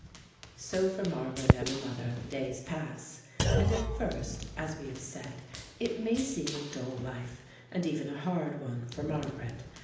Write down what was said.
So for Margaret and her mother the days pass, and at first, as we have said, it may seem a dull life, and even a hard one, for Margaret.